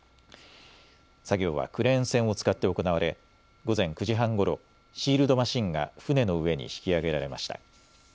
作業はクレーン船を使って行われ午前９時半ごろシールドマシンが船の上に引き揚げられました。